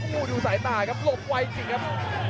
ถูกโมดูสายตากครับลบไวจริงครับ